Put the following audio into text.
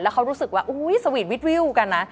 แล้วเขารู้สึกว่าอุ๊ยสวีทวิทวิวกันนะ